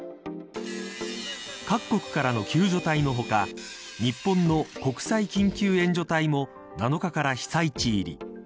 各国からの救助隊の他日本の国際緊急援助隊も７日から被災地入り。